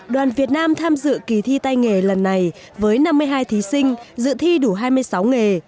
đoàn việt nam tham dự kỳ thi tay nghề lần này với năm mươi hai thí sinh dự thi đủ hai mươi sáu nghề